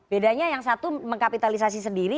bedanya yang satu mengkapitalisasi sendiri